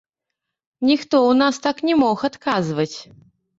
Ніхто ў нас так не мог адказваць.